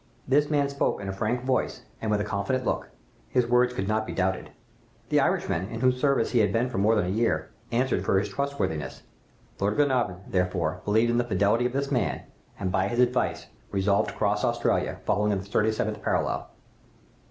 "This man spoke in a frank voice and with a confident look; his words could not be doubted. The Irishman, in whose service he had been for more than a year, answered for his trustworthiness. Lord Glenarvan, therefore, believed in the fidelity of this man and, by his advice, resolved to cross Australia, following the thirty seventh parallel.